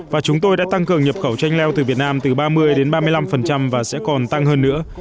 và chúng tôi đã tăng cường nhập khẩu chanh leo từ việt nam từ ba mươi ba mươi năm và sẽ còn tăng hơn nữa